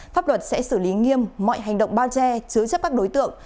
pháp luật sẽ xử lý nghiêm mọi hành động bao che chứa chấp các đối tượng